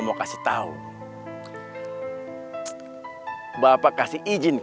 jadi gini kak